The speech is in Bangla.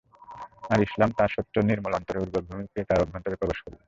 আর ইসলাম তাঁর স্বচ্ছ নির্মল অন্তরে উর্বর ভূমি পেয়ে তার অভ্যন্তরে প্রবেশ করল।